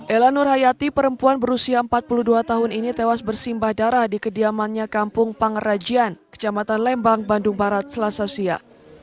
ella nurhayati perempuan berusia empat puluh dua tahun ini tewas bersimbah darah di kediamannya kampung pangerajian kecamatan lembang bandung barat selasa siang